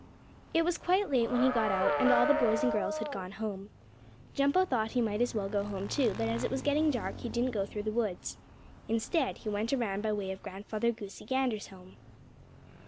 It was quite late when he got out, and all the boys and girls had gone home. Jumpo thought he might as well go home, too, but as it was getting dark he didn't go through the woods. Instead he went around by way of Grandfather Goosey Gander's home.